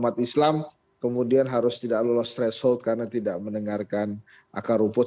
umat islam kemudian harus tidak lolos threshold karena tidak mendengarkan akar rumput